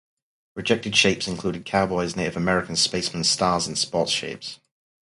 Rejected shapes included cowboys, Native Americans, spacemen, stars, and sports shapes.